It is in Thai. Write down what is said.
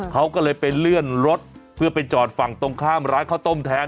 เขาก็เลยไปเลื่อนรถเพื่อไปจอดฝั่งตรงข้ามร้านข้าวต้มแทน